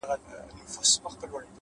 هڅه د بریا د دروازې کلی ده!